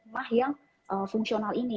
mah yang fungsional ini